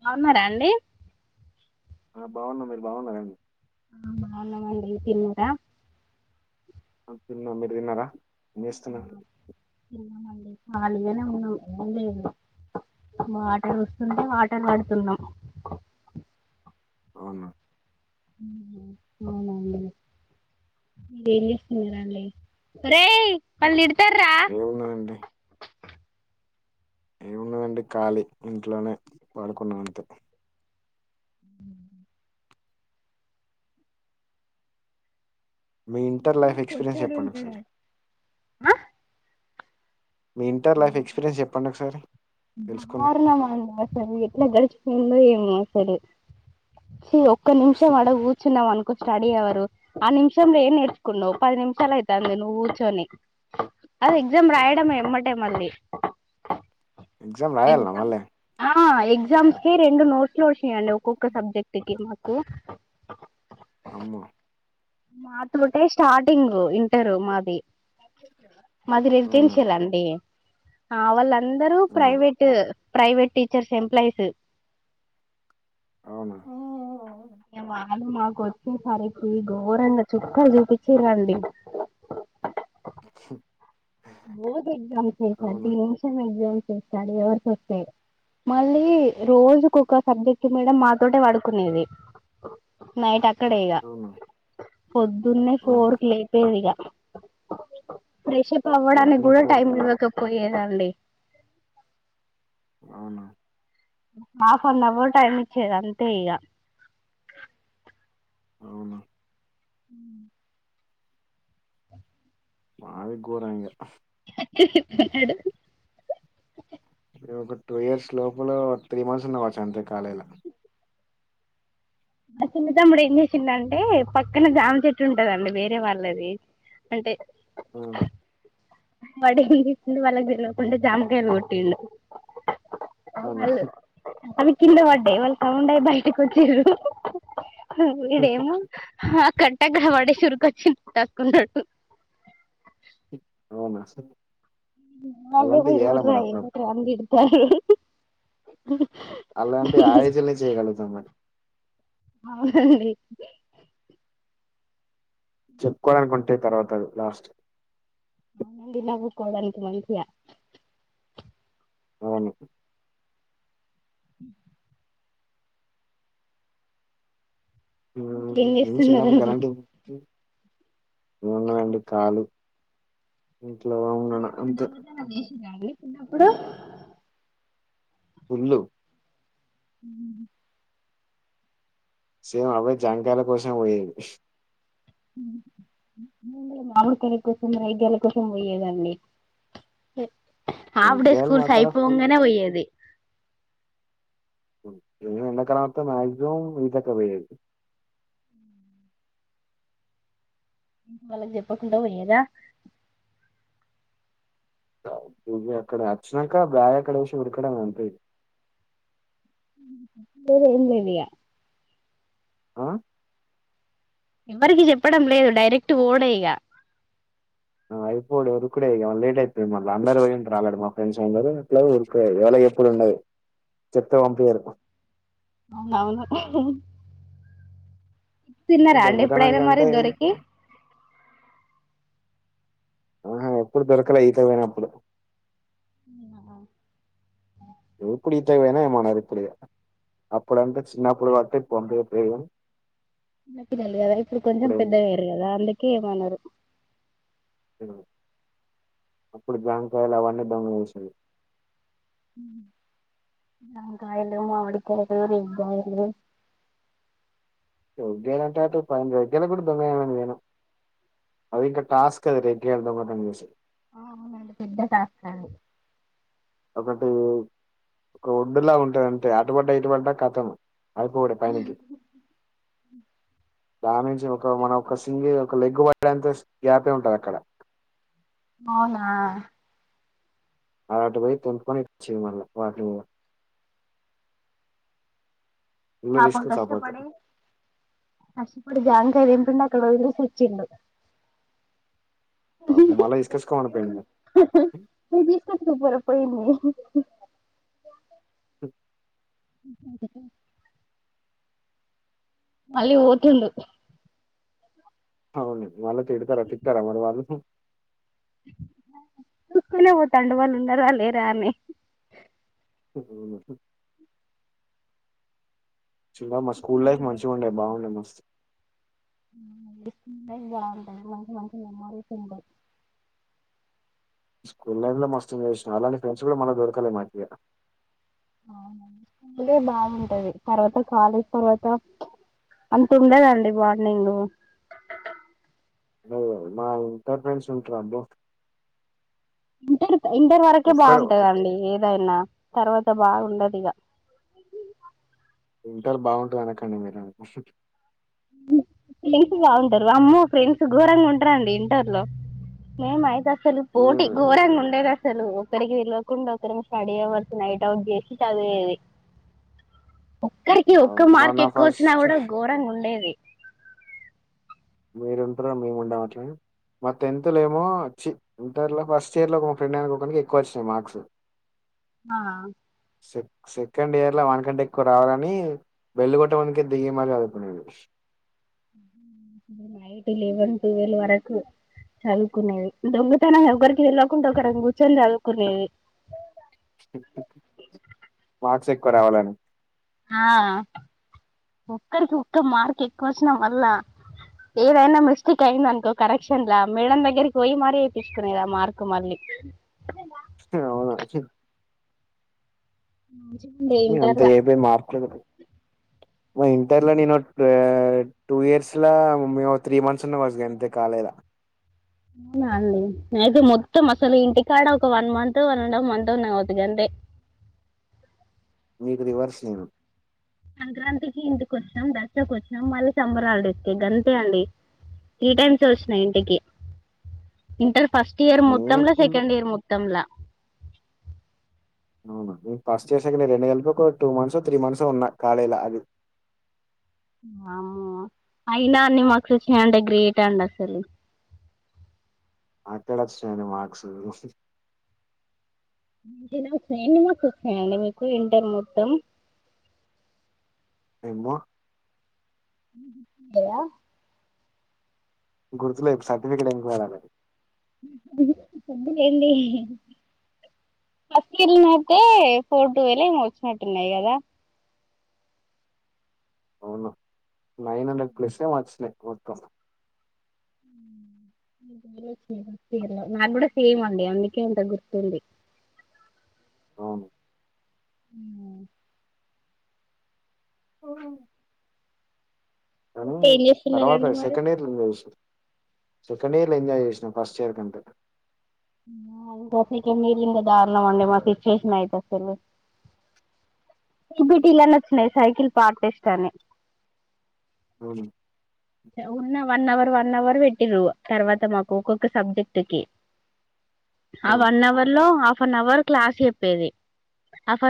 బావున్నారా అండి ఆ బాగున్నా మీరు బాగున్నర అండి ఆ బాగునమడి తినర ఆ తిన్నా మరు దినారా ఎలా మండి అళగానే ఉన్నాం ఏం లేదు మా ఆటలు వస్తుంటే ఆటలు ఆడుతున్నాం అవును అవునండి ఇంకా ఎలిస్తురళ రే అళ్ళ ఇడతార ఏన్నా అంటడి ఏముండదండి ఖళీ ఇంట్లోనే పాడుకున్నా అంతే ఉ మీ మా ఇంటర్ చిన్న లైఫ్ ఎక్స్పీరియన్స్ పొట్టోడు చెప్పండి ఉంటాడు ఒకసారి మీ ఇంటర్ లైఫ్ ఎక్స్పీరియన్స్ చెప్పండి ఒకసారి తెలుసుకుందాం ఆరుణ మా అసలు ఎట్లా గడుచుకుందో ఏమో సే స ఒ ఒక్క నిమిషం అడగ కూర్చున్నాం అనుకో స్టడీ అవ్వరు ఆ నిమిషంలో ఏం నేర్చుకున్నా్ పది నిమిషాలు అయితుంది నువ్వు కూర్చొని అది ఎగ్జామ్ రాయడంమ మళ్ల్ ఎక్జామ్ రాయాల మళ్ళే ఎగ్జాస్ కే రెడు నోట్స్ లో చెయండి ఒక్కొక్క సబ్జెక్ట్కి కు అమ్మో మాతోటే స్టార్టింగ్ ఇంటరు మాది మాది అవునా [unintelligible] లండి ఆ వల్ల అందరూ ఆ, ప్రైవేట్ ప్రైవేట్ టీచర్స్ ఎంప్లాయిస్ అవునా ఎమ్మా వాళ్లు మాకు వచ్చేసరికి ఘోరంగా చుక్కలు చూపిచ్చిరండి బోర్డ్ ఎగ్జామ్స్ అయితే అవునా [unintelligible] టెన్షన్ ఏందో చేస్తాడు ఎవరికి వస్తే మళ్ళీ రోజుకొక సబ్జెక్ట్ మేడం మాతోటే వడుకునేది. నైట్ అ క్కడే ఇగ అవునా పొద్దున్నే ఓహో ఫోర్ కు లేపేది ఇగ ఫ్రెషప్ అవ్వడానికి పొద్దున గూడ ఫోర్ టైమ్ క్లోజ్ ఉండక పోయేది ఆడ అండి అవునా హాఫ్ అన్ అవర్ టైమ్ ఇచ్చేది అంతే ఇక అవును హ మావి కోర ఇంగా ఉన్నాడు నెనొక ఒక టూ ఇయర్స్ లోపల త్రీ మంత్స్ ఉన్నా కావచ్చు అంతే కాలేజ్ ల. మా చిన్న తమ్ముడు ఏం చేసిండంటే పక్కన జామ చెట్టు ఉంటదండి వేరే వాళ్ళది, అంటే ఆ వాడెంజేసిండు వాళ్ళక్దెల్వకుంట జాముకాయలు గొట్టిండు. అవు అవునా మల్లి పల్లి కింద పడ్డయి వాళ్ళు సౌండయీ బయటికొచ్చిర్రు. వీడేమో హా కట్ ట్టేఅక్కడపడేషి ఉర్కొచ్చిండ్ టక్కున అవునా అలాంటివి మల్లపోయ్ చేయాలి మరి అప్పుడప్పుడు [unintelligible] ఆమెంతిడ్ అలాంటియి ఆ ఏజిల్నే చేయగలుగుతాం మరి అవునండి చెప్పుకోవడానుకుంటయ్ తర్వాత అవి లాస్ట్ అవునండి నవ్వుకోడానికి మంచిగ అవును హ్మ్ ఇంకేం నేను చిన్నప్పుడు చేస్తున్నారండి గలాంటివి పోయెది ఏమున్నదండి ఖాళీ. ఇంట్లో ఉన్నాన అంతే ఇగవలే చిన్నప్పుడు ఫుళ్ళు హ్ హ్ హు సేమ్ అవ్వే జాంకాయల కోసమే పోయేది. మామిడికాయల కోసం, రేగ్గాయల కోసం పోయేదండి హాఫ్ డే జాంకాయలు మా స్కూల్స్ అక్కడ ఫుడ్, అయిపొంగనే పోయ్యేది మ్మ్ ఎండకాలమంత మాక్సిమం ఈతకే పోయేది. మళ్ళ చెప్పకుంట పోయిర్రా? గ ఇగ అక్కడ అచ్చినంక బ్యాగ్ అక్కడేషి ఉరకడమే అంతే ఇగ. వేరే ఎంలేదిగా ఆ ఎవరికి చెప్పడం లేదు డైరెక్ట్ పోవుడేఇగ. ఆ అయిపోవుడె ఉరుకుడేఇగ మల్ లేట్ అయిత్తది మళ్ళ. అందరు పోయుంటరు ఆల్రెడీ మా ఫ్రెండ్స్ అందరూ ఇట్లాగు ఉరుకుడే ఎవళకు జెప్పుదుండదు, చెప్తే పంపియరు. అవునవును. తిన్నరా అండి, దొంగతనం ఎప్పుడైనా మరి కంటే దొరకి? ఆహా ఎప్పుడు దొరకలే ఈతకు పోయినప్పుడు. అవునా ఎప్పుడీతకు పోయినా ఏమనరిప్పుడిగా అప్పుడుంటె చిన్నపుడ్ ఎప్పుడు పడ్తే పంపియకపోయేద చిన్న పిల్లల్గదా ఇప్పుడు కొంచెం ఇప్పుడేం పెద్దగయ్యిర్రు గదా అందుక్ కేమనరు అప్పుడు జంకాయలు అవన్నీ దొంగ [unintelligible] జామకాయలు మామిడి కాయలు రేగ్గాయలు రేగ్గాయలు అంటే అటు పైన రేగ్గాయలు కూడా దొంగ అయినా నేను అది ఇంకా టాస్క్ అది రేగ్గాయలు దొంగత చేసేది ఆ అవునండి పెద్ద టాస్కాఅది ఒకటి కోడ్ అందరిలా ఉంటుది అంతే అటు పడ్డ ఇటు పడ్డ క ట్టమ్ అయిపోగొట్టే పైనుంచి దాని నుంచి ఒక మన ఒక సింగిల్ ఒక లెగ్ పడేంత గ్యాపే ఉంటది అక్కడ అవునా ఆటివొయ్ తెంపుకొని ఇటువచ్చింది మళ్ళ వాకింగ్ పాపం కష్ట పడి కష్ట పడి జా కాయ్ దింటున్న అక్కడ ఎందొ కుచ్చిండు పాపం మల్లా తీసుకొచ్చుమనిపొయ్యినావ పోయ్యింన్ని క అళిగి ఓతుండు అవును వాళ్ళు తిడతారా తిట్టారా మరి వాళ్ళు కుక్కునా పోతాండు వాళ్లు ఉన్నారా లేదా అని అవునా చిన్న మా స్కూల్ లైఫ్ మళ్ళీ మంచిగా ఉండే బాగుండే మస్త్ అవునండి స్కూల్ లైఫ్ బాగుంటాది మంచి మంచి మెమోరీస్ ఉంటాయ్ స్కూల్ లైఫ్ లో మస్తు ఎంజాయ్ చేసిన అలాంటి ఫ్రెండ్స్ కూడా మళ్ళీ దొరకాల మాకి ఇగ అవున స్కూల్ దే బాగుంటది తర్వాత కాలేజ్ తర్వాత అంత ఉండదండి బాండింగు మా ఇంటర్ ఫ్రెండ్స్ ఉంటారు అబ్బో ఇంటర్ ఇంటర్ వరకే ఒక్కడు బాగుంటదండి ఏదైనా తర్వాత బాగుండదు ఇగ ఇంటార్ బాగుంటుంది అనకండి మీరు [unintelligible] బాగుంటారు అమ్మో ఫ్రెండ్స్ ఘోరంగా ఉంటారండి ఇంటర్ లో మేము అయితే అసలు పోటీ మీరు ఘోరంగా ఉండేది అ అసలు ఒకరికి తెల్వకుండా ఒకరుము స్టడీ అవర్స్ నైట్ అవుట్ జెసి చదివేది ఒక్కరికి ఆహ్, ఒక్క మా మార్క్ నా ఎక్కువ వచ్చినా ఫస్ట్ కూడా ఘోరంగా ఉండేది మీరు ఉంటార మేము ఉండం అట్లా మా టెన్త్ లో ఏమో చి ఇంటర్ లో ఫస్ట్ ఇయర్ లో మా ఫ్రెండ్ గానికి ఒకనికి ఎక్కువ వచ్చినాయి మార్క్స్ ఆ సె సెకండ్ ఇయర్ లో వానకంటే ఎక్కువ రావాలని బెళ్ళగొట్టె వానికే అందుకే దిగి మళ్ళీ జదువుకునేది నైట్ లేవెన్ టువల్ వరకు చదువుకునేది దొంగతనంగ ఒకరికి తెల్వకుండా ఒకరం కూర్చొని చదువుకునేది మార్క్స్ ఎక్కువ రావాలని ఆ ఒక్కరికి ఒక్క మార్క్ ఎక్కువ వచ్చిన మల్ల ఏదైనా మిస్టేక్ అయిందినుకో కలెక్షన్ల ఆ మేడం దగ్గరికి పోయి మరి ఏపిచ్చుకొనేది ఆ మార్క్ మళ్ళీ హా అవునా మంచిగుండే ఇంటర్ అంత ల ఏపయి మార్పులేదు మా ఇంటర్ లో నేను టూ ఇయర్స్లా మేము త్రీ మంత్స్ ఉన్నా కావచ్చు అంతే కాలేజ్ లా అవునా అండి అయితే మొత్తం అసలు ఇంటికాడ ఒక one month one and half month ఉన్నా అవుతు కంతే మీకు రివర్స్ నేను సంక్రాంతికి ఇంటికి వచ్చినాం దసరాకు వచ్చినాం మళ్ళీ సమ్మర్ హాలిడేకి గంతే అండి త్రి టైమ్స్ వచ్చిన ఇంటికి ఇంటర్ ఫస్ట్ ఇయర్ నేను మొత్తంలో ఫుల్ సెకండ్ ఇయర్ మొత్తంలా వు ఫస్ట్ ఇయర్ సెకడ్ రెండు గలపు ఒక టూ మంత్సవో త్రీ మంత్స్వో ఉన్నా అది వామ్మో అయినా అన్ని మార్క్స్ వచ్చినాయి అంటె గ్రేట్ అండి అసలు ఎక్కడ వచ్చినాయి అండి మార్క్స్ ఎన్ని మార్క్స్ వచ్చినాయి అండి మీకు ఇంటర్ మొత్తం ఏమో [unintelligible] గుర్తు లేదు సర్టిఫికెట్లో వెతుకులాడాలి డి ఫస్ట్ ఇయర్ అయితే ఫోర్ టువల్ ఏమో వచ్చినట్టున్నాయి కదా అవును నైన్ హండ్రెడ్ ప్లస్ ఏమో వచ్చినయి మొత్తం నీకి నాకు కూడా సేమ్ అండి అందుకే అంత గుర్తుంది అవును [unintelligible] ఓ అ ఇంకా ఏం చేస్తున్నారండి తర్వాత మరి సెకండ్ ఇయర్ రి సెకండ్ ఇయర్ లో ఎంజాయ్ చేసినా ఫస్ట్ ఇయర్ కంటే మీరిలింద దారుణ మండి మా సిచ్యువేషన్ అయితే అసలు సిబిటిలానే వచ్చినాయి సైకిల్ పార్ట్ టెస్ట్ అని అవును ఉన్న వన్ అవర్ వన్ అవర్ పెట్టిరు తర్వాత మాకు ఒక్కొక్క సబ్జెక్ట్ కి ఆ వన్ అవర్ లో half half an hour class చెప్పేది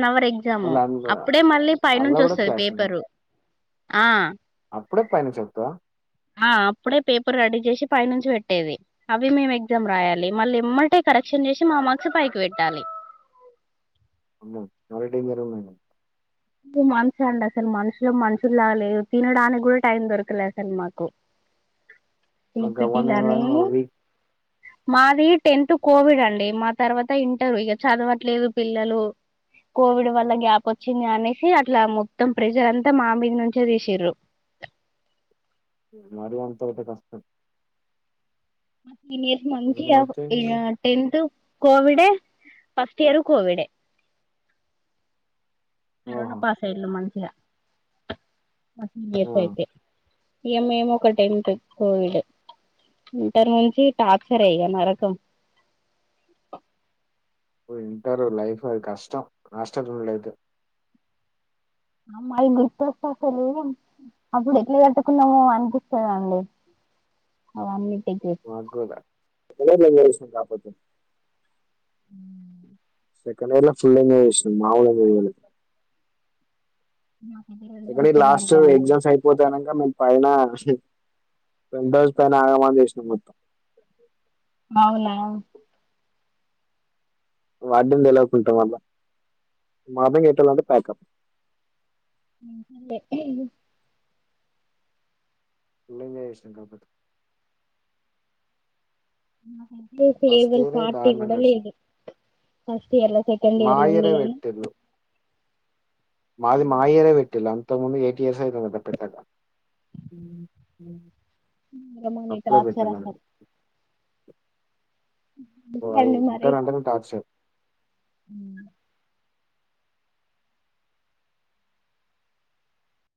న్ అవర్ ఎగ్జాము మళ్ళీ అప్పుడే అందులో మళ్ళీ పైనుంచి కూడా వస్తుంది క్లాస్ పేపరు ఆ అప్పుడే పైనా చెత ఆ అప్పుడే పేపర్ రెడీ చేసి పై నుంచి పెట్టేది అవి మేము ఎగ్జామ్ రాయాలి మళ్ళీ మమ్మటే కరెక్షన్ చేసి మా మార్క్స్ పైకి పెట్టాలి అమో మళ్ళీ టీం లీడర్ గా ఉండను మంచి అండి అసలు మనుషులు మనుషులులా లేరు తినడానికి కూడా టైం దొరకలే అసలు మాకు నాకు గవ్వనే ఇప్పుటిలాలే కాదు మళ్ళీ వీక్ మాది టెన్త్ కోవిడ్ అండి మా తర్వాత ఇంటర్ ఇక చదవట్లేదు పిల్లలు కోవిడ్ వల్ల గ్యాప్ వచ్చింది అని అట్లా మొత్తం ప్రెషర్ అంతా మా మీద నుంచే తీసిర్రు మరి అంతయితే కష్టం అ తినేసి మంచిగా నేనైతే ఇక టెన్త్ కోవిడే ఫస్ట్ ఇయరు కోవిడే కరోనా ఓహో! పాస్ అయ్యాం మంచిగా మ వస ఆ! అయితే ఇయమ్మ ఏమో ఒక టైం కోవిడ్ ఇంటర్ నుంచి టార్చర్ ఇక నరకం ఇంటర్ లైఫ కష్టం కష్ట లేదు అమ్మాయి గుర్తుస్తా అసలు అప్పుడు ఎట్లా కట్టుకున్నామో అనిపిస్తుందండి అవన్నిటికి మాగదష కాపోతు ఉ సెకండ్ ఇర్ ఫుల్ మా నాకైతే రెండు ఎకం సంవత్సరాలు లాస్ట్ అంతే అండి ఎగ్జామ్స్ అయిపోతా అనక మ పైన రెండు రోజుల పైన ఆగమన చేసిన మొత్తం అవునా వాడింద తెలకుంటా మళ్ళా మాద ఎట్టాలంటే ప్యాకప్ అే పంగ విషం కాపత ఆ ఫెర్వల్ ఇయరే పార్టీ దారుణంగా కూడా గడిచింది. లేదు ఫస్ట్ ఇయర్ల సెకండ్ మా ఇయర్ లో ఇయరే పెట్టిర్రు. మాది మాయరే వెట్లాం ముందు ఏటీయర్స్యిధ పే రమ నట్ ఆచ రాసం ఓ అది ఇకా రంటనే తచ అ